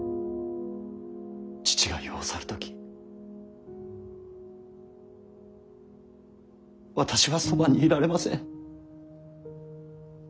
父が世を去る時私はそばにいられません。